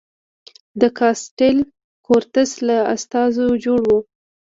د کاسټیل کورتس له استازو جوړ و.